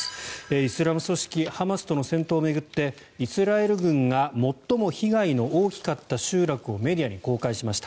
イスラム組織ハマスとの戦闘を巡ってイスラエル軍が最も被害の大きかった集落をメディアに公開しました。